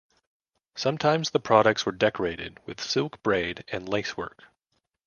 Sometimes the products were decorated with silk braid and lacework.